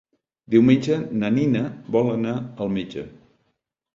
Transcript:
Diumenge na Nina vol anar al metge.